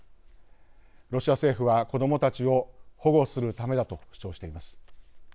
ロシア政府は子どもたちを保護するためだと主張しています。